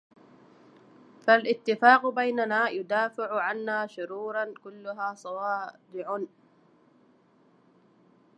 فالاتفاق بيننا يُدافِعُ عنا شرورا كلها صَوَادِعُ